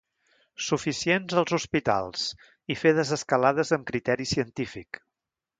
Suficients als hospitals, i fer desescalades amb criteri científic.